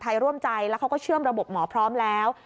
ร่วมใจแล้วเขาก็เชื่อมระบบหมอพร้อมแล้ว